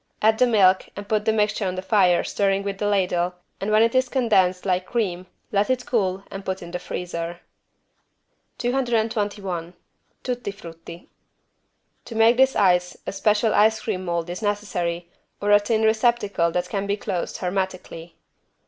Add the milk and put the mixture on the fire stirring with the ladle and when it is condensed like cream, let it cool and put in the freezer. 221 TUTTI FRUTTI To make this ice a special ice cream mold is necessary, or a tin receptacle that can be closed hermetically.